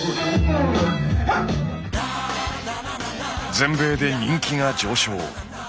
全米で人気が上昇。